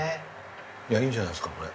いやいいんじゃないですかこれ。